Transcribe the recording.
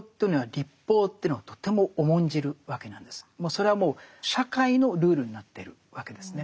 それはもう社会のルールになってるわけですね。